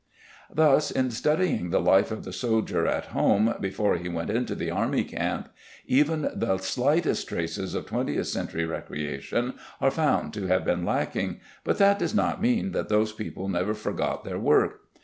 " Thus in studying the life of the soldier at home before he went into the army camp, even the slightest traces of twentieth century recreation are found to have been lacking, but that does not mean that those people never forgot their work.